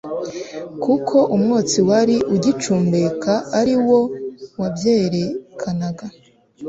kuko umwotsi wari ugicumbeka ari wo wabyerekanaga